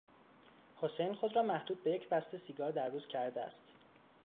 حسین خود را محدود به یک بسته سیگار در روز کرده است.